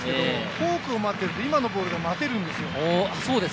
フォークを待っていると今のボールが待てるんですよ。